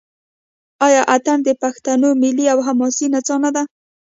آیا اټن د پښتنو ملي او حماسي نڅا نه ده؟